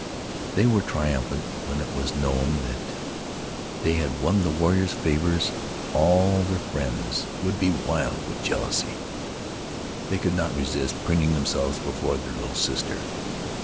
They were triumphant — when it was known that they had won the warrior's favors all their friends would be wild with jealousy; they could not resist preening themselves before their little sister.